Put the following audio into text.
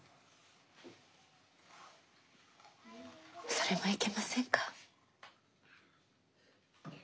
それもいけませんか？